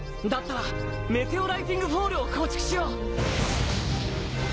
世辰燭メテオライティングフォールを構築しよう！